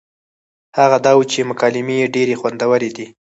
هغه دا وه چې مکالمې يې ډېرې خوندورې دي